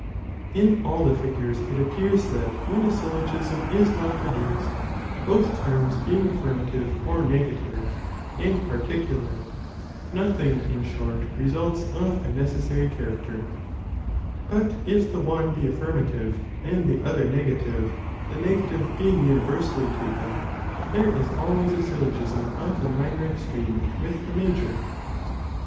In all the figures it appears that when a syllogism is not pro duced, both terms being affirmative, or negative, {and par ticular,^) nothing, in short, results of a necessary character; but if the one be affirmative and tbe other nega niiHbeAoci, tivc, the negative being universally taken, there Sero'wUi''^^' isalwaysasyllogismoftliB minor extreme with the conciuiion In major.